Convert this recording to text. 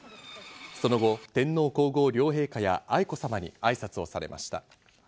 その後、天皇皇后両陛下や愛子さまに挨拶をされました。